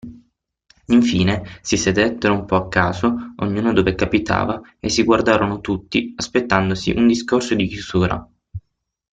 Infine, si sedettero un po' a caso, ognuno dove capitava, e si guardarono tutti, aspettandosi un discorso di chiusura.